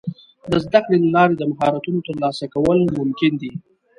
د زده کړې له لارې د مهارتونو ترلاسه کول ممکن دي.